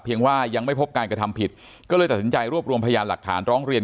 ว่ายังไม่พบการกระทำผิดก็เลยตัดสินใจรวบรวมพยานหลักฐานร้องเรียน